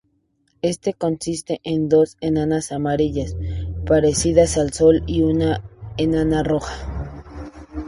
Este consiste en dos enanas amarillas, parecidas al sol, y una enana roja.